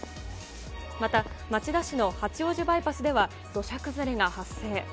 また、町田市の八王子バイパスでは土砂崩れが発生。